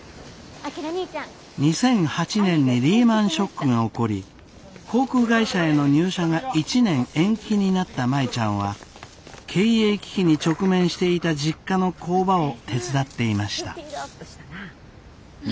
２００８年にリーマンショックが起こり航空会社への入社が１年延期になった舞ちゃんは経営危機に直面していた実家の工場を手伝っていました。